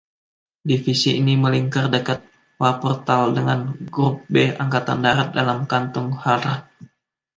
Divisi ini melingkar dekat Wuppertal dengan Grup B Angkatan Darat dalam Kantung Ruhr.